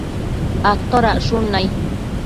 atodacshun nai?